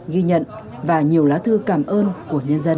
ghi nhận và nhiều lá thư cảm ơn của nhân dân